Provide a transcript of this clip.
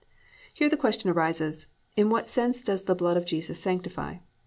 Here the question arises, In what sense does the blood of Jesus sanctify?